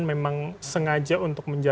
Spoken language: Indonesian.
memang sengaja untuk menjadikan